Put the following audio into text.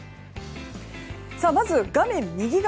まず画面右側